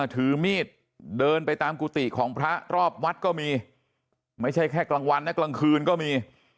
ถือมีดเดินไปตามกุฏิของพระรอบวัดก็มีไม่ใช่แค่กลางวันนะกลางคืนก็มี